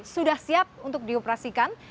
sudah siap untuk dioperasikan